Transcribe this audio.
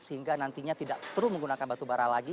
sehingga nantinya tidak perlu menggunakan batubara lagi